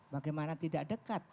bagaimana tidak dekat